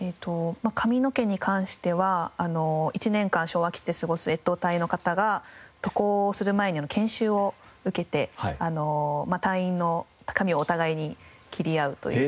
髪の毛に関しては一年間昭和基地で過ごす越冬隊の方が渡航をする前に研修を受けて隊員の髪をお互いに切り合うという。